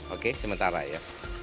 oke sementara ya